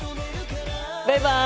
バイバイ！